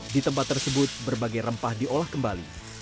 di tempat tersebut berbagai rempah diolah kembali